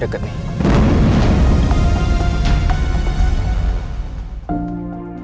gue bukan orang yang bijak alam